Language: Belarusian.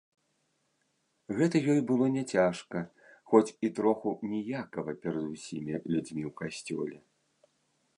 Гэта ёй было не цяжка, хоць і троху ніякава перад усімі людзьмі ў касцёле.